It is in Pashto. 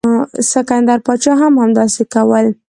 سکندر پاچا هم همداسې کول.